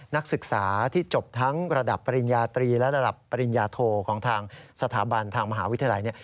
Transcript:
นักศึกษาที่จบทั้งระดับปริญญาตรีและระดับปริญญาโทของทางสถาบันทางมหาวิทยาลัย